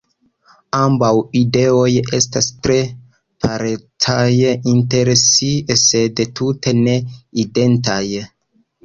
Ambaŭ ideoj estas tre parencaj inter si sed tute ne identaj.